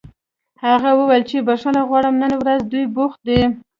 هغه وویل چې بښنه غواړي نن ورځ دوی بوخت دي